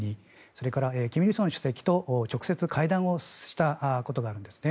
それから金日成主席と直接会談をしたことがあるんです。